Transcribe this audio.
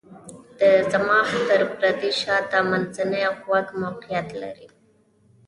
د صماخ تر پردې شاته منځنی غوږ موقعیت لري.